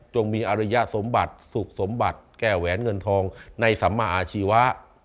มีอริยสมบัติสุขสมบัติแก้แหวนเงินทองในสัมมาอาชีวะ